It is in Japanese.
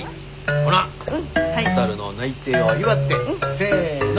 ほなほたるの内定を祝ってせの！